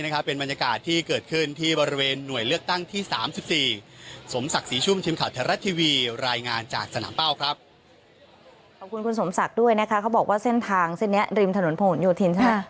ขอบคุณคุณสมศักดิ์ด้วยนะคะเขาบอกว่าเส้นทางเส้นนี้ริมถนนผนโยธินใช่ไหม